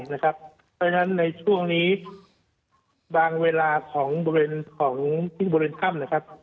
เพราะฉะนั้นในช่วงนี้บางเวลาของบริเวณข้ำ